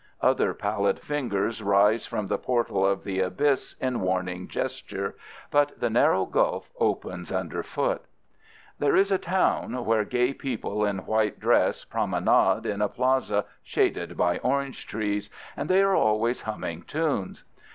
Other pallid fingers rise from the portal of the abyss in warning gesture, but the narrow gulf opens underfoot. There is a town where gay people in white dress promenade in a plaza shaded by orange trees, and they are always humming tunes.